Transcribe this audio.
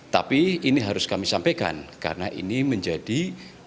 tapi ini harus kami sampaikan karena ini menjadi